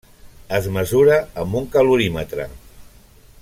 Es mesura amb un calorímetre.